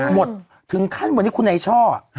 หมดถึงขั้นวันนี้คุณไอช่อ